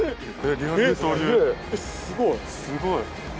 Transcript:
すごい。